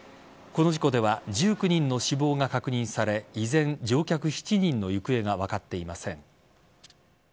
この事故では１９人の死亡が確認され依然、乗客７人の行方が分かっていません。